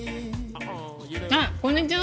あっこんにちは！